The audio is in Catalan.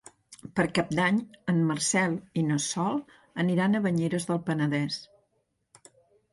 Per Cap d'Any en Marcel i na Sol aniran a Banyeres del Penedès.